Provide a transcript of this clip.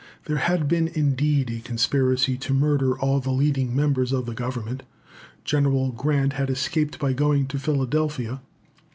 There had been, indeed, a conspiracy to murder all the leading members of Government. General Grant had escaped by going to Philadelphia.